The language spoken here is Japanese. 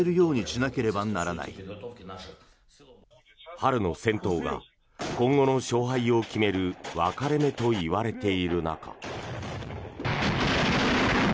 春の戦闘が今後の勝敗を決める分かれ目といわれている中。